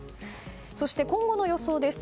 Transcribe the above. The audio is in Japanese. そして今後の予想です。